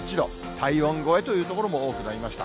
体温超えという所も多くなりました。